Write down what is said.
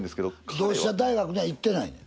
同志社大学には行ってないねや？